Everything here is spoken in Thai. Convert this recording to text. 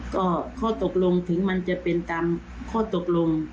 ก็ข้อตกลงถึงมันจะเป็นตามข้อตกลง